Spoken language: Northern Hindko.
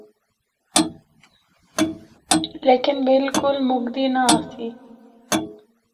لیکن بالکل مُکدی نہ آسی۔